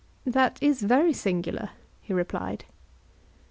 That is very singular, he replied.